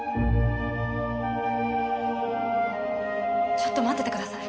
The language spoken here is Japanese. ちょっと待っててください。